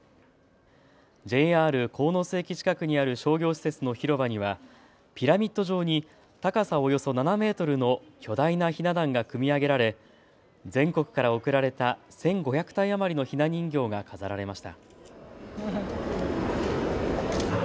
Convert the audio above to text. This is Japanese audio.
ＪＲ鴻巣駅近くにある商業施設の広場にはピラミッド状に高さおよそ７メートルの巨大なひな壇が組み上げられ全国から贈られた１５００体余りのひな人形が飾られました。